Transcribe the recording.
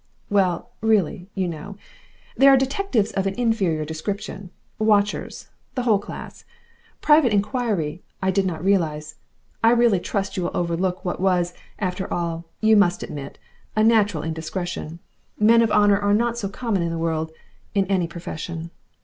"Well, really, you know. There are detectives of an inferior description watchers. The whole class. Private Inquiry I did not realise I really trust you will overlook what was, after all you must admit a natural indiscretion. Men of honour are not so common in the world in any profession."